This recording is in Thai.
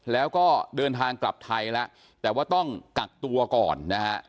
แล้วก็เดินทางกลับไทยแล้วแต่ว่าต้องกักตัวก่อนนะฮะ